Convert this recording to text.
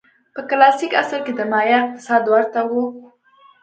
په کلاسیک عصر کې د مایا اقتصاد ورته و.